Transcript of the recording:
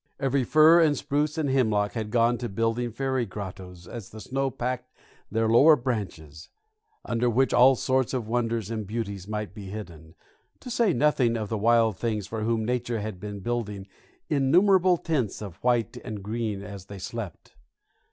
Every fir and spruce and hemlock had gone to building fairy grottoes as the snow packed their lower branches, under which all sorts of wonders and beauties might be hidden, to say nothing of the wild things for whom Nature had been building innumerable tents of white and green as they slept.